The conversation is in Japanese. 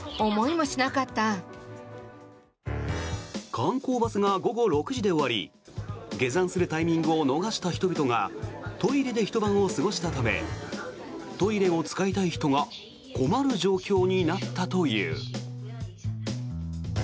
観光バスが午後６時で終わり下山するタイミングを逃した人がトイレでひと晩を過ごしたためトイレを使いたい人が困る状況になったという。